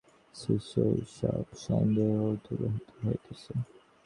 গুরু নীরবে শিক্ষা দিতেছেন, আর শিষ্যের সব সন্দেহ দূরীভূত হইতেছে।